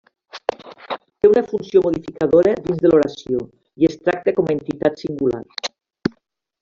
Té una funció modificadora dins de l'oració, i es tracta com a entitat singular.